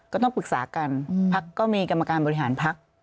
ก็ต้องปรึกษากันพักก็มีกรรมการบริหารพัก